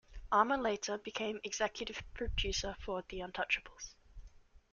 Armer later became executive producer for "The Untouchables".